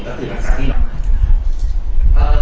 ก็คือหลังความเที่ยว